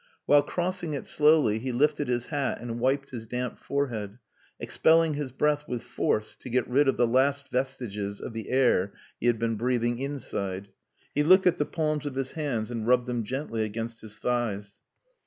While crossing it slowly, he lifted his hat and wiped his damp forehead, expelling his breath with force to get rid of the last vestiges of the air he had been breathing inside. He looked at the palms of his hands, and rubbed them gently against his thighs.